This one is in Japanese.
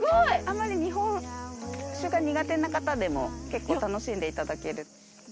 あんまり日本酒が苦手な方でも結構楽しんでいただける。